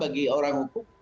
bagi orang hukum